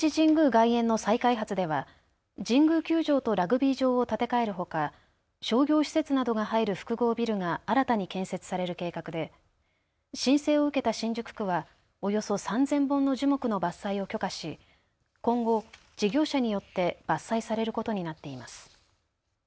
外苑の再開発では神宮球場とラグビー場を建て替えるほか、商業施設などが入る複合ビルが新たに建設される計画で申請を受けた新宿区はおよそ３０００本の樹木の伐採を許可し今後、事業者によって伐採されることになっています。